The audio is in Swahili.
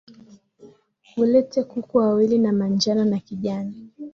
Ulete kuku wawili, wa manjano na kijani,